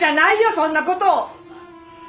そんなこと！